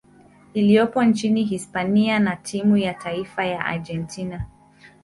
iliyopo nchini Hispania na timu ya taifa ya Argentina.